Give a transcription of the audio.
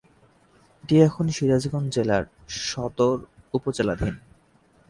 এটি এখন সিরাজগঞ্জ জেলা সদর উপজেলাধীন।